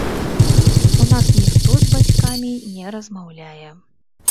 У нас ніхто з бацькамі не размаўляе.